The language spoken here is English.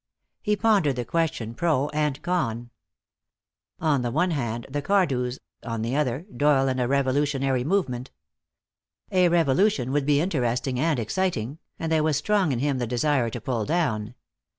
He pondered the question pro and con. On the one hand the Cardews, on the other, Doyle and a revolutionary movement. A revolution would be interesting and exciting, and there was strong in him the desire to pull down.